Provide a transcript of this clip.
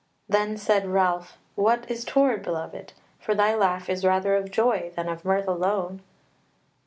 Then said Ralph: "What is toward, beloved? For thy laugh is rather of joy that of mirth alone."